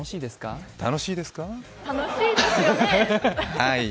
楽しいですよね。